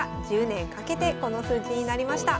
１０年かけてこの数字になりました。